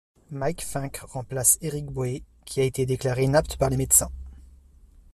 Mike Fincke remplace Eric Boe qui a été déclaré inapte par les médecins.